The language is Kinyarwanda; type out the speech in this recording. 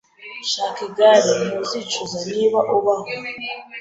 Shaka igare. Ntuzicuza, niba ubaho